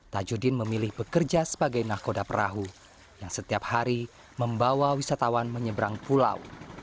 tajudin memilih bekerja sebagai nahkoda perahu yang setiap hari membawa wisatawan menyeberang pulau